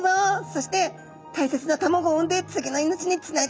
そして大切な卵を産んで次の命につないでいくんだい。